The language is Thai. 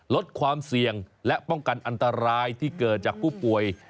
ลดความเสี่ยงและป้องกันอันตรายที่เกิดจากผู้ป่วย